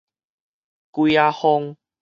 鬼仔風